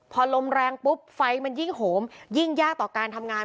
พอลมแรงปุ๊บไฟมันยิ่งโหมยิ่งยากต่อการทำงาน